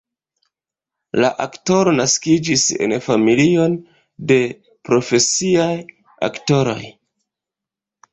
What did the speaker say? La aktoro naskiĝis en familion de profesiaj aktoroj.